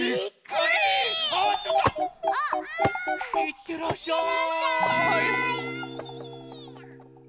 いってらっしゃい。